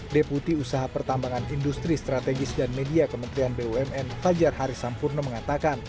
deputi usaha pertambangan industri strategis dan media kementerian bumn fajar harisampurno mengatakan